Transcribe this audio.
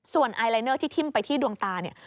ส่วนไอลายเนอร์ที่ทิ้มไปที่ดวงตาเนี่ย